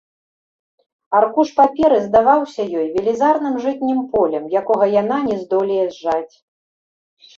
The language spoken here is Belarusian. Аркуш паперы здаваўся ёй велізарным жытнім полем, якога яна не здолее зжаць.